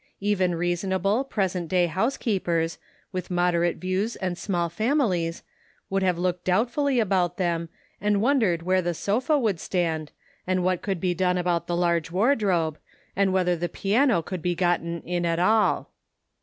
Even reasonable, present day housekeepers, with moderate views and small families, would have looked doubt fully about 'them, and wondered where the sofa would stand, and what could be done about 7 8 * The Pocket Measure. the large wardrobe, and whether the piano could be gotten in at all.